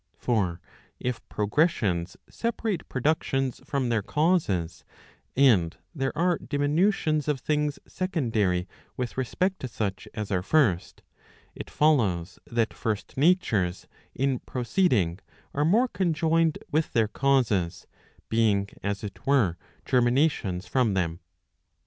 For if progressions separate productions from their causes, and there are diminutions of things secondary with respect to such as are first,' it follows that 6rst natures in proceeding, are more conjoined with their causes, being [as it were,] germinations from them.